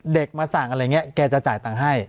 เด็กมาสั่งอะไรแบบนี้แกจะจ่ายตังษ์ให้